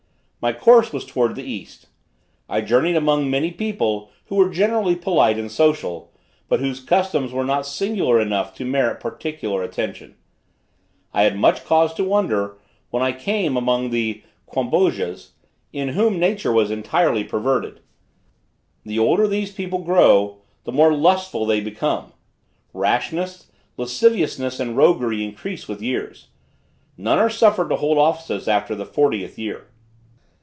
My course was towards the east. I journeyed among many people, who were generally polite and social, but whose customs were not singular enough to merit particular attention. I had much cause to wonder, when I came among the Quambojas, in whom nature was entirely perverted. The older these people grow, the more lustful they become. Rashness, lasciviousness and roguery increase with years. None are suffered to hold offices after the fortieth year.